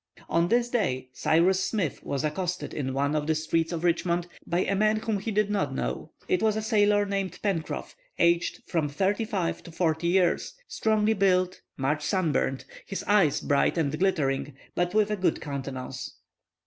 On this day Cyrus Smith was accosted in one of the streets of Richmond by a man whom he did not know. It was a sailor named Pencroff, aged from thirty five to forty years, strongly built, much sun burnt, his eyes bright and glittering, but with a good countenance.